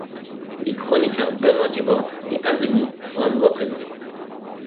Les chroniqueurs Benoît Dubois et Anne Denis sont à nouveau présents.